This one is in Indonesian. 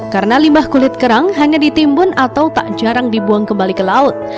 karena limba kulit kerang hanya ditimbun atau tak jarang dibuang kembali ke laut